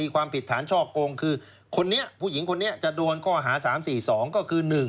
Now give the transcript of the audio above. ความผิดฐานช่อกงคือคนนี้ผู้หญิงคนนี้จะโดนข้อหา๓๔๒ก็คือ๑